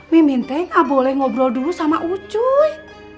sama enggak boleh ngobrol dulu sama ucuy